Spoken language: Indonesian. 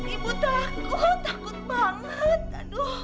ibu takut takut banget